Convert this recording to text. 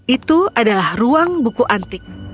itu adalah ruang buku antik